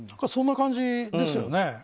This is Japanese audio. そんな感じですよね。